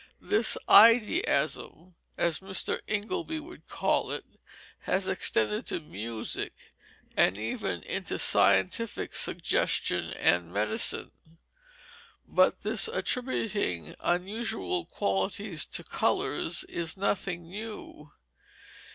This idiasm as Mr. Ingleby would call it has extended to music, and even into scientific suggestion and medicine; but this attributing unusual qualities to colors is nothing new.